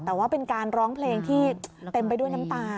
แต่ว่าเป็นการร้องเพลงที่เต็มไปด้วยน้ำตา